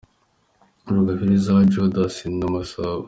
Rugabire za Joe Dassin na Masabo.